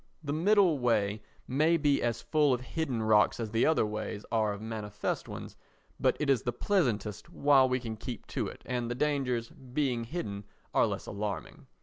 The middle way may be as full of hidden rocks as the other ways are of manifest ones, but it is the pleasantest while we can keep to it and the dangers, being hidden, are less alarming.